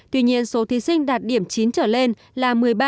tuy nhiên số thí sinh đạt điểm chín trở lên là một mươi ba